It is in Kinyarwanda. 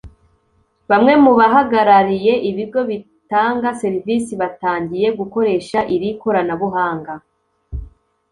Bamwe mu bahagarariye ibigo bitanga serivisi batangiye gukoresha iri koranabuhanga